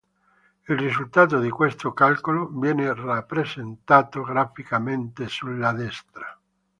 Il risultato di questo calcolo viene rappresentato graficamente sulla destra.